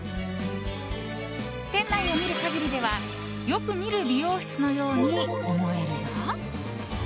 店内を見る限りではよく見る美容室のように思えるが。